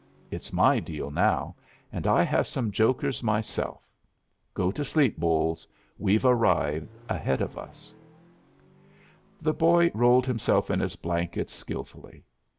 It's my deal now, and I have some jokers myself. Go to sleep, Bolles. We've a ride ahead of us." The boy rolled himself in his blanket skillfully.